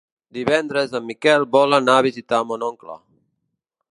Divendres en Miquel vol anar a visitar mon oncle.